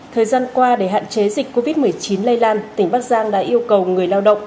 thời gian qua để hạn chế dịch covid một mươi chín lây lan tỉnh bắc giang đã yêu cầu người lao động